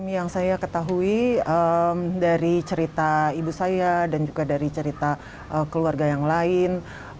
yang saya ketahui dari cerita ibu saya dan juga dari cerita keluarga yang lain